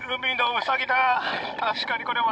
確かにこれは。